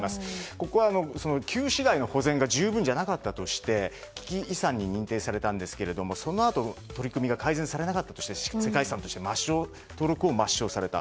ここは旧市街の保全が十分じゃなかったとして危機遺産に認定されたんですがそのあと、取り組みが改善されなかったとして世界遺産として登録を抹消された。